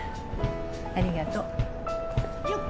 ありがとう。よっ。